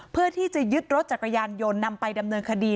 เพื่อที่จะยึดรถจักรยานยนต์นำไปดำเนินคดี